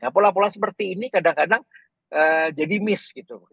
pola pola seperti ini kadang kadang jadi miss gitu